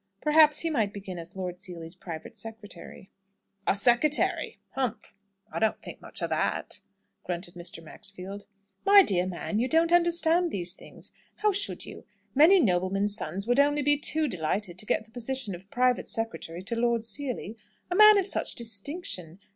Perhaps he might begin as Lord Seely's private secretary. "A sekketary! Humph! I don't think much o' that!" grunted Mr. Maxfield. "My dear man, you don't understand these things. How should you? Many noblemen's sons would only be too delighted to get the position of private secretary to Lord Seely. A man of such distinction!